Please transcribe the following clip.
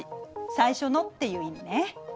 「最初の」っていう意味ね。